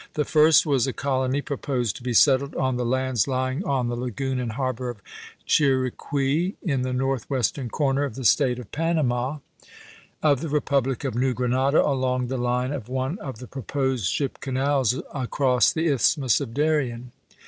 The first was a colony proposed to be settled on the lands lying on the lagoon and harbor of Chiriqui, In the northwestern corner of the state of Panama, 358 ABKAHAM LINCOLN CH. xvn. of the republic of New Granada, along the line of one of the proposed ship canals across the Isthmus of Darien.